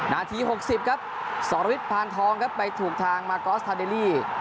นาที๖๐ครับสรวิทย์พานทองครับไปถูกทางมากอสทาเดลี่